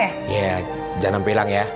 iya jangan sampai hilang ya